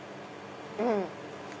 うん。